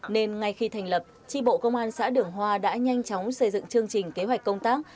nên ngay khi thành lập tri bộ công an xã đường hoa đã nhanh chóng xây dựng chương trình kế hoạch công tác